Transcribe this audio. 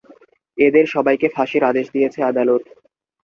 এদের সবাইকে ফাঁসির আদেশ দিয়েছে আদালত।